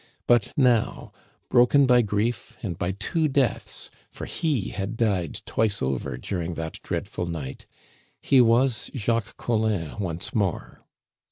But now, broken by grief, and by two deaths for he had died twice over during that dreadful night he was Jacques Collin once more.